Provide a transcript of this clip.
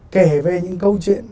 kể về những câu chuyện